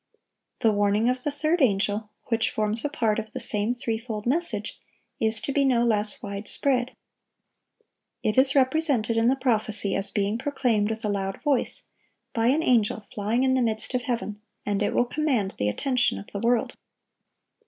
The warning of the third angel, which forms a part of the same threefold message, is to be no less wide spread. It is represented in the prophecy as being proclaimed with a loud voice, by an angel flying in the midst of heaven; and it will command the attention of the world.